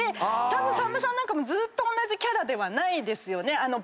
たぶんさんまさんなんかもずっと同じキャラではないですよね。